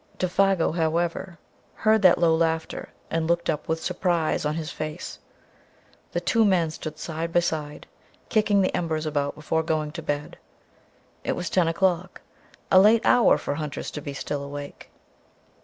Défago, however, heard that low laughter and looked up with surprise on his face. The two men stood, side by side, kicking the embers about before going to bed. It was ten o'clock a late hour for hunters to be still awake.